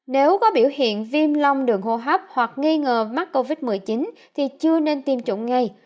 nếu có biểu hiện viêm long đường hô hấp hoặc nghi ngờ mắc covid một mươi chín thì chưa nên tiêm chủng ngay